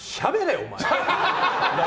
お前！